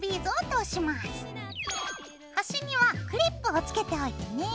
端にはクリップをつけておいてね。